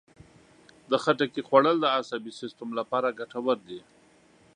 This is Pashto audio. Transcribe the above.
د خټکي خوړل د عصبي سیستم لپاره ګټور دي.